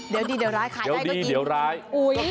เดี๋ยวดีเดี๋ยวร้ายขายได้ก็กิน